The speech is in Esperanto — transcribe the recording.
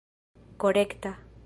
korekta